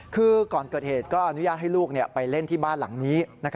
คือก่อนเกิดเหตุก็อนุญาตให้ลูกไปเล่นที่บ้านหลังนี้